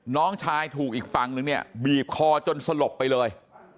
น้องชายถูกอีกฝั่งนึงเนี่ยบีบคอจนสลบไปเลย